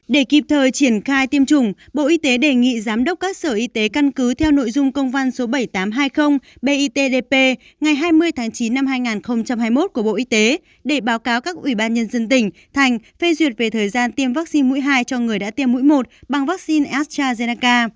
để kịp thời triển khai tiêm chủng bộ y tế đề nghị giám đốc các sở y tế căn cứ theo nội dung công văn số bảy nghìn tám trăm hai mươi bitdp ngày hai mươi tháng chín năm hai nghìn hai mươi một của bộ y tế để báo cáo các ủy ban nhân dân tỉnh thành phê duyệt về thời gian tiêm vaccine mũi hai cho người đã tiêm mũi một bằng vaccine astrazeneca